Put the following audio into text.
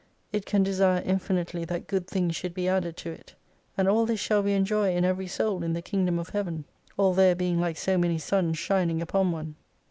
It can desire infinitely that good things should be added to it. And all this shall we enjoy in every soul in the Kingdom of Heaven. All there being like so many Suns shining upon one.